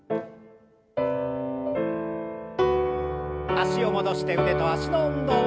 脚を戻して腕と脚の運動。